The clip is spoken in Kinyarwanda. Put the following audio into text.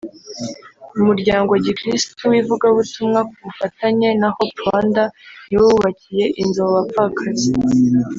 Umuryango Gikirisitu w’ivugabutumwa ku bufatanye na ’’Hope Rwanda’’ ni bo bubakiye inzu abo bapfakazi